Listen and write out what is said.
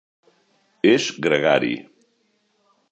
És gregari.